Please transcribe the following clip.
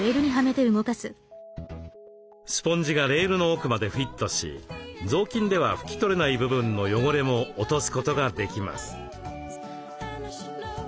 スポンジがレールの奥までフィットし雑巾では拭き取れない部分の汚れも落とすことができます。